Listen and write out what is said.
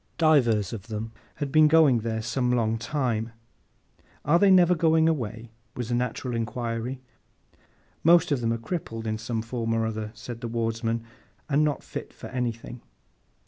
Divers of them had been there some long time. 'Are they never going away?' was the natural inquiry. 'Most of them are crippled, in some form or other,' said the Wardsman, 'and not fit for anything.